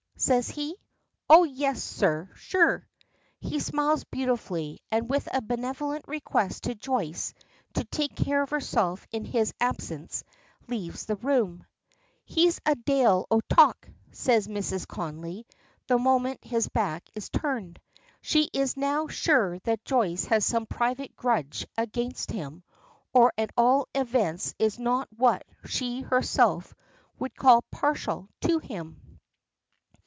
says he. "Oh yes, sir, sure." He smiles beautifully, and with a benevolent request to Joyce to take care of herself in his absence, leaves the room. "He's a dale o' talk," says Mrs. Connolly, the moment his back is turned. She is now sure that Joyce has some private grudge against him, or at all events is not what she herself would call "partial to him."